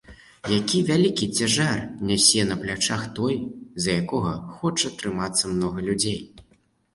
Які вялікі цяжар нясе на плячах той, за якога хоча трымацца многа людзей!